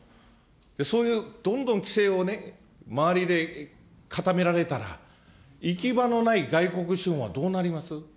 そういうどんどん規制をね、周りで固められたら、行き場のない外国資本はどうなります。